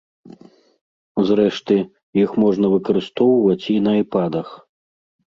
Зрэшты, іх можна выкарыстоўваць і на айпадах.